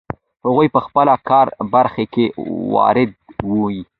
هغه په خپله کاري برخه کې وارد وي.